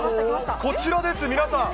こちらです、皆さん。